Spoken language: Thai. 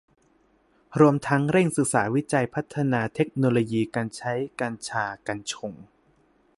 รวมทั้งเร่งศึกษาวิจัยพัฒนาเทคโนโลยีการใช้ กัญชา กัญชง